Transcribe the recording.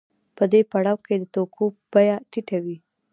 په دې پړاو کې د توکو بیه ټیټه وي